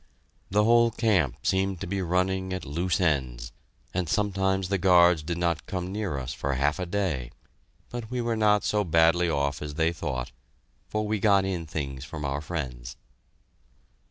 The whole camp seemed to be running at loose ends, and sometimes the guards did not come near us for half a day, but we were not so badly off as they thought, for we got in things from our friends.